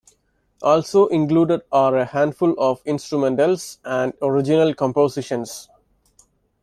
Also included are a handful of instrumentals and original compositions.